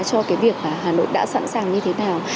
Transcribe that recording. cho cái việc hà nội đã sẵn sàng như thế nào